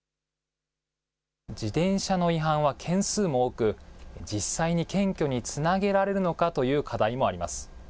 自転車の違反は件数も多く、実際に検挙につなげられるのかという課題もあります。